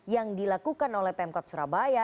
yang dilakukan oleh pemkot surabaya